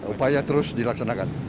upaya terus dilaksanakan